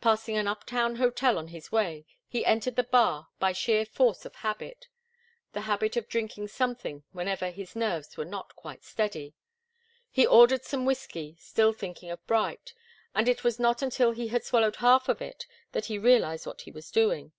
Passing an up town hotel on his way, he entered the bar by sheer force of habit the habit of drinking something whenever his nerves were not quite steady. He ordered some whiskey, still thinking of Bright, and it was not until he had swallowed half of it that he realized what he was doing.